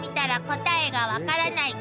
「答えが分からない」